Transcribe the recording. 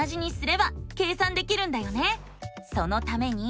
そのために。